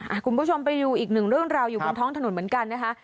คุณผู้ชมไปดูอีกหนึ่งเรื่องราวอยู่บนท้องถนนเหมือนกันนะคะ